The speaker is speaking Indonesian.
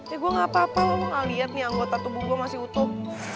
eh gue gapapa lo mah liat nih anggota tubuh gue masih utuh